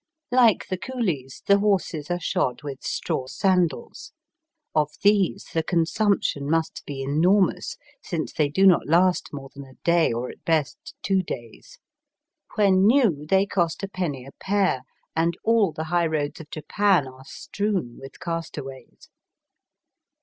Like the cooUes, the horses are shod with straw sandals. Of these the consumption must be enormous, since they do not last more than a day or at best two days. When new they cost a penny a pair, and all the high roads of Japan are strewn with castaways.